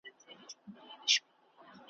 او خوراک لپاره به یې هم لږ وخت درلود